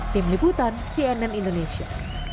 tim liputan cnn indonesia